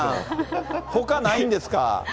ほか、ないんですか。